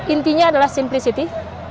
intinya adalah simplicity